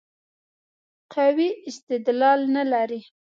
قوي استدلال نه لري.